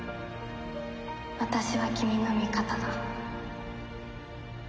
「私は君の味方だ」